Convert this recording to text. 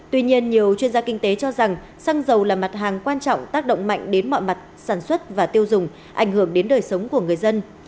tuy nhiên nhiều chuyên gia kinh tế cho rằng xăng dầu là mặt hàng quan trọng tác động mạnh đến mọi mặt sản xuất và tiêu dùng ảnh hưởng đến đời sống của người dân